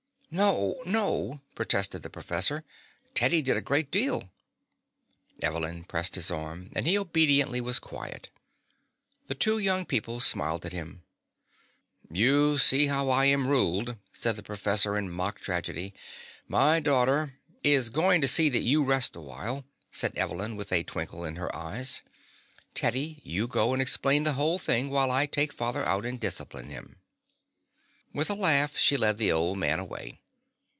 "No, no," protested the professor. "Teddy did a great deal." Evelyn pressed his arm, and he obediently was quiet. The two young people smiled at him. "You see how I am ruled," said the professor in mock tragedy. "My daughter " "Is going to see that you rest a while," said Evelyn, with a twinkle in her eyes. "Teddy, you go and explain the whole thing while I take father out and discipline him." With a laugh, she led the old man away.